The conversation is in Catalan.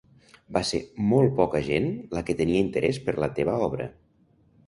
Va ser molt poca gent la que tenia interès per la teva obra.